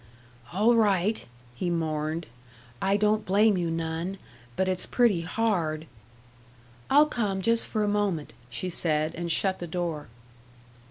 "All right," he mourned. "I don't blame you none, but it's pretty hard " "I'll come just for a moment," she said, and shut the door.